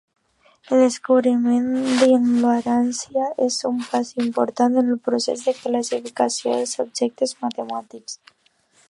El descobriment d'invariància és un pas important en el procés de classificació dels objectes matemàtics.